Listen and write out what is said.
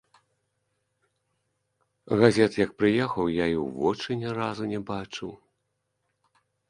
Газет, як прыехаў, я і ў вочы ні разу не бачыў.